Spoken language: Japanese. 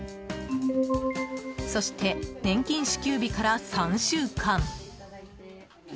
そして、年金支給日から３週間。